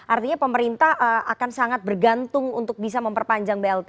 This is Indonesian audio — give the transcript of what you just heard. artinya pemerintah akan sangat bergantung untuk bisa memperpanjang blt